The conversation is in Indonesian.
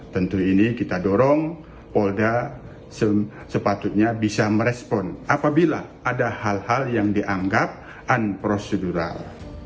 tentu ini kita dorong polda sepatutnya bisa merespon apabila ada hal hal yang dianggap unprocedural